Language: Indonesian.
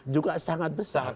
juga sangat besar